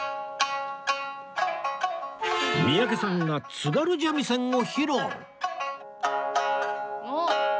三宅さんが津軽三味線を披露